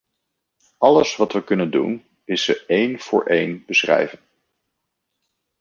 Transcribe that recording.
Alles wat we kunnen doen is ze één voor één beschrijven.